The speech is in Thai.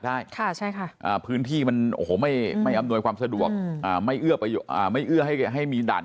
ได้ใช่ค่ะพื้นที่มันไม่อำนวยความสะดวกไม่เอื้อให้มีด่าน